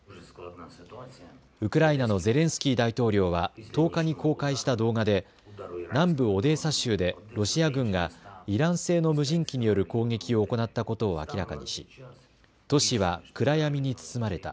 ウクライナのゼレンスキー大統領は１０日に公開した動画で南部オデーサ州でロシア軍がイラン製の無人機による攻撃を行ったことを明らかにし都市は暗闇に包まれた。